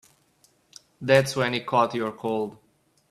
That's when he caught your cold.